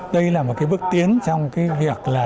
đây là một cái bước tiến trong cái việc là chúng ta